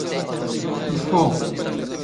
ⵉⴼⴼⵓⵖ.